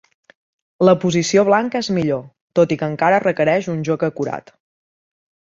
La posició blanca és millor, tot i que encara requereix un joc acurat.